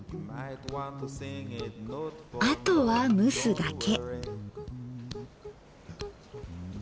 あとは蒸すだけ。